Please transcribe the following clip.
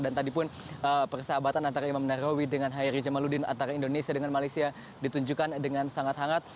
dan tadi pun persahabatan antara imam narowi dengan hayri jamaluddin antara indonesia dengan malaysia ditunjukkan dengan sangat hangat